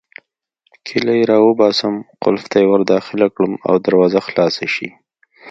کیلۍ راوباسم، قلف ته يې ورداخله کړم او دروازه خلاصه شي.